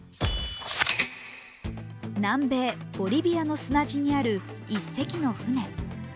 南米ボリビアの砂地にある一隻の船。